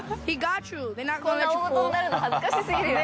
こんな大ごとになるの恥ずかしすぎるよ。